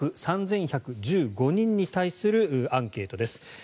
１０１か国３１１５人に対するアンケートです。